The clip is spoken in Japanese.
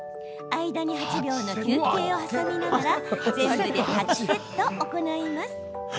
間に８秒の休憩を挟みながら全部で８セット行います。